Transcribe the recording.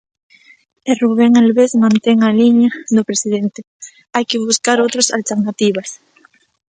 E Rubén Albés mantén a liña do presidente, hai que buscar outras alternativas.